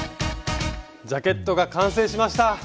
ジャケットが完成しました！